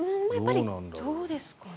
どうですかね？